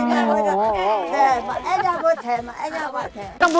หนึ่งสองซ้ำยาดมนุษย์ป้า